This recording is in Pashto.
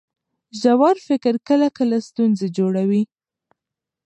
زوړ فکر کله کله ستونزې جوړوي.